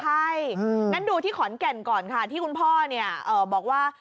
ใช่งั้นดูที่ขอนแก่นก่อนค่ะที่คุณพ่อเนี่ยบอกว่า